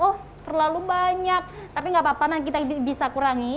oh terlalu banyak tapi gak apa apa nanti kita bisa kurangi